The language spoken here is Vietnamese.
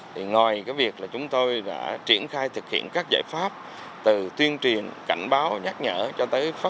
thì ngoài cái việc là chúng tôi đã triển khai thực hiện các giải pháp từ tuyên truyền cảnh báo nhắc nhở cho tới phát